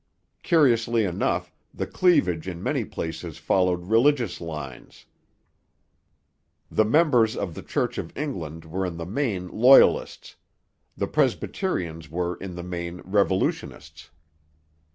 Curiously enough the cleavage in many places followed religious lines. The members of the Church of England were in the main Loyalists; the Presbyterians were in the main revolutionists.